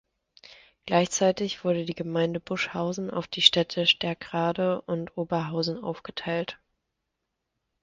Gleichzeitig wurde die Gemeinde Buschhausen auf die Städte Sterkrade und Oberhausen aufgeteilt.